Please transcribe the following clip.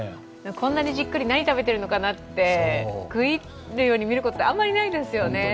こんなにじっくり、何食べてるのかななんて食い入るように見ることなんてあんまりないですよね。